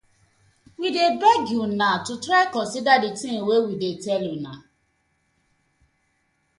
We dey beg una to try consider the tinz wey we dey tell una.